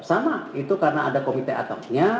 sama itu karena ada komite ad hocnya